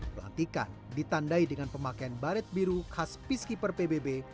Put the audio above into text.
pelantikan ditandai dengan pemakaian baret biru khas piskipper pbb